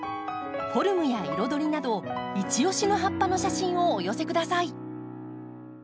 フォルムや彩りなどいち押しの葉っぱの写真をお寄せください。